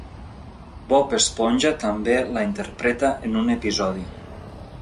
Bob Esponja també la interpreta en un episodi.